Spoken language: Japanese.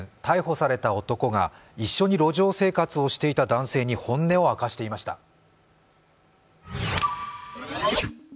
逮捕された男が一緒に路上生活をしていた男性に本音を明かしていました。